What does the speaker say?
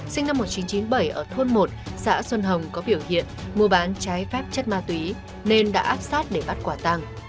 sinh năm một nghìn chín trăm chín mươi bảy ở thôn một xã xuân hồng có biểu hiện mua bán trái phép chất ma túy nên đã áp sát để bắt quả tăng